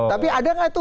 tapi ada gak itu